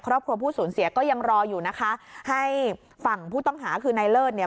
ผู้สูญเสียก็ยังรออยู่นะคะให้ฝั่งผู้ต้องหาคือนายเลิศเนี่ย